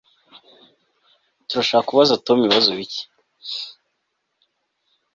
Turashaka kubaza Tom ibibazo bike